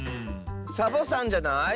サボさんじゃない？